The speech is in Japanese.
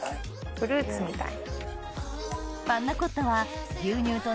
フルーツみたい。